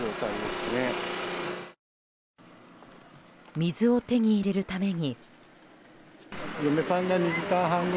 水を手に入れるために。